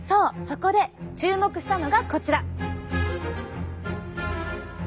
そこで注目したのがこちら。